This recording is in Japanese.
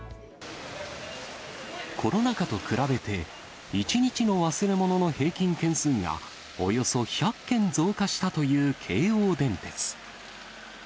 コロナ禍と比べて、１日の忘れ物の平均件数が、およそ１００件増加したという京王電鉄。